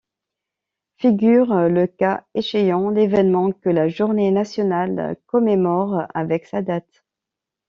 Figure, le cas échéant, l'événement que la journée nationale commémore, avec sa date.